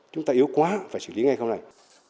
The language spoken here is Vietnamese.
chúng ta yếu quá phải chỉ lý ngay không này